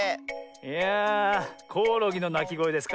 いやあコオロギのなきごえですか。